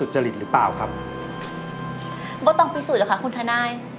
จริงรึเปล่าครับบ่ต้องพิสูจน์เหรอคะคุณทนาย